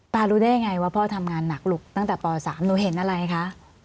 รู้ได้ยังไงว่าพ่อทำงานหนักลูกตั้งแต่ป๓หนูเห็นอะไรคะ